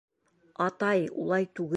Атай, улай түгел!